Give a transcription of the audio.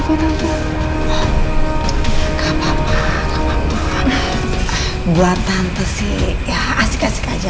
buat tante sih ya asik asik aja